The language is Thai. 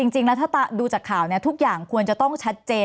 จริงแล้วถ้าดูจากข่าวทุกอย่างควรจะต้องชัดเจน